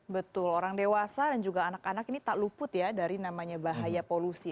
betul orang dewasa dan juga anak anak ini tak luput ya dari namanya bahaya polusi